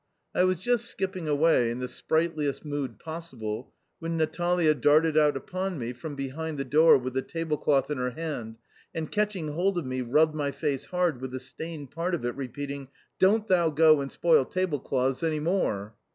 I was just skipping away, in the sprightliest mood possible, when Natalia darted out upon me from behind the door with the tablecloth in her hand, and, catching hold of me, rubbed my face hard with the stained part of it, repeating, "Don't thou go and spoil tablecloths any more!"